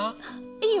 いいよ！